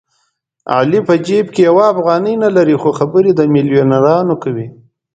علي په جېب کې یوه افغانۍ نه لري خو خبرې د مېلیونرانو کوي.